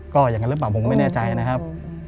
ก็อย่างนั้นหรือเปล่าผมไม่แน่ใจนะครับ